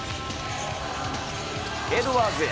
エドワーズへ。